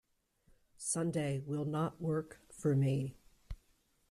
Sunday will not work for me.